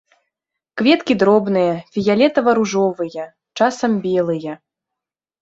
Кветкі дробныя, фіялетава-ружовыя, часам белыя.